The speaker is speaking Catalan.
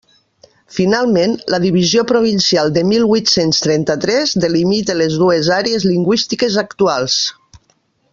Finalment, la divisió provincial de mil huit-cents trenta-tres delimita les dues àrees lingüístiques actuals.